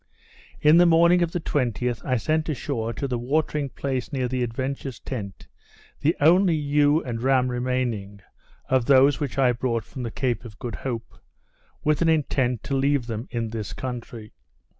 In the morning of the 20th, I sent ashore, to the watering place near the Adventure's tent, the only ewe and ram remaining, of those which I brought from the Cape of Good Hope, with an intent to leave them in this country.